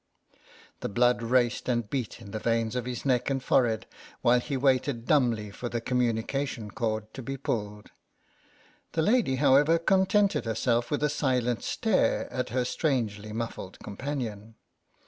The blood raced and beat in the veins of his neck and forehead, while he waited dumbly for the communication cord to be pulled. The lady, however, contented herself with a silent stare at her strangely muffled companion.